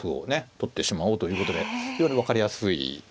取ってしまおうということで非常に分かりやすいね